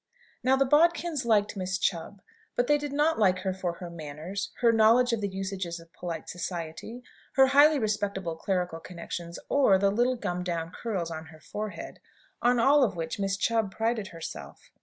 Now, the Bodkins liked Miss Chubb. But they did not like her for her manners, her knowledge of the usages of polite society, her highly respectable clerical connections, or the little gummed down curls on her forehead; on all of which Miss Chubb prided herself.